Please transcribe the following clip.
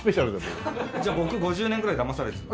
僕５０年ぐらいだまされてた。